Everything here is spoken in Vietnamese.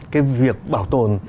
cái việc bảo tồn